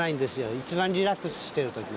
一番リラックスしている時。